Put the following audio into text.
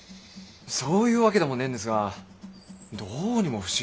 そういうわけでもねえんですがどうにも不思議で。